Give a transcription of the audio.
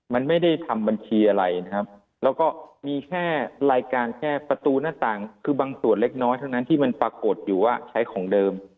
มันไม่ได้ทำบัญชีอะไรนะครับแล้วก็มีแค่รายการแค่ประตูหน้าต่างคือบางส่วนเล็กน้อยเท่านั้นที่มันปรากฏอยู่ว่าใช้ของเดิม